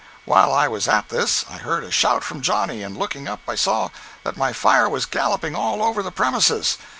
While I was at this, I heard a shout from Johnny, and looking up I saw that my fire was galloping all over the premises!